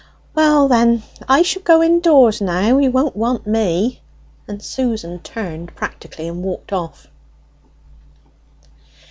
"Well, then, I shall go indoors now you won't want me;" and Susan turned practically and walked off.